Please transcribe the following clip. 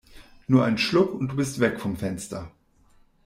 Nur ein Schluck und du bist weg vom Fenster!